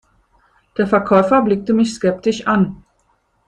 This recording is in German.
Der Verkäufer blickte mich skeptisch an.